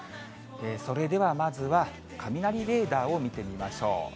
それではまずは、雷レーダーを見てみましょう。